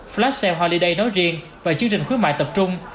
flash sale holiday nói riêng và chương trình khuyến mại tập trung